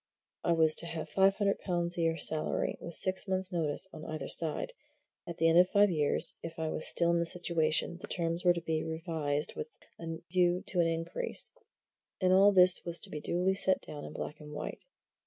I was to have five hundred pounds a year salary, with six months' notice on either side; at the end of five years, if I was still in the situation, the terms were to be revised with a view to an increase and all this was to be duly set down in black and white.